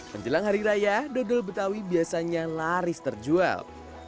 menjelang hari raya dodol betawi biasanya laris terjual